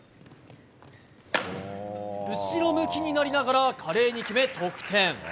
後ろ向きになりながら華麗に決め、得点。